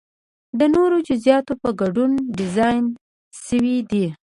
د نورو جزئیاتو په ګډون ډیزاین شوی دی.